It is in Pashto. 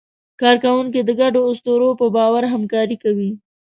کارکوونکي د ګډو اسطورو په باور همکاري کوي.